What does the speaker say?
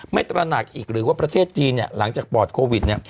ตระหนักอีกหรือว่าประเทศจีนหลังจากปอดโควิดเนี่ย